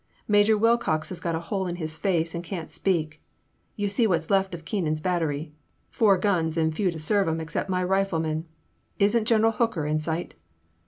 Major Wilcox has got a hole in his face, and can't speak — ^you see what 's left of Keenan's bat tery — four guns, and few to serve 'em except my riflemen. Is n't General Hooker in sight